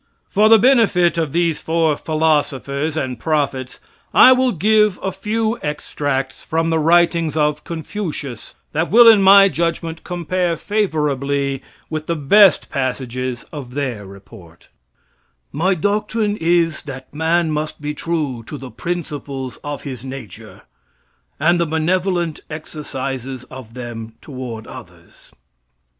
For the benefit of these four philosophers and prophets, I will give a few extracts from the writings of Confucius that will in my judgment, compare favorably with the best passages of their report: "My doctrine is that man must be true to the principles of his nature, and the benevolent exercises of them toward others.